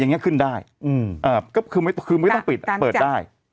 อย่างนี้ขึ้นได้ก็คือไม่ต้องปิดเปิดได้